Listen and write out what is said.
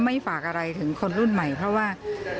ไม่ฝากอะไรถึงคนรุ่นใหม่เพราะว่า